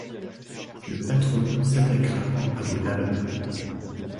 Le patron s'attaquera à vos lavabos.